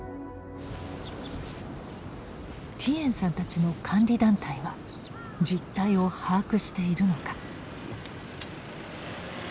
ティエンさんたちの監理団体は実態を把握しているのか。